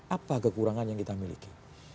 apa kekurangan yang kita miliki